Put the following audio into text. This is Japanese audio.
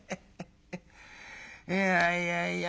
いやいやいや